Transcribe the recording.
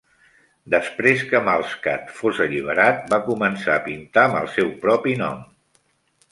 Després que Malskat fos alliberat, va començar a pintar amb el seu propi nom.